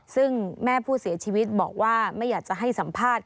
ซึ่งแม่ผู้เสียชีวิตบอกว่าไม่อยากจะให้สัมภาษณ์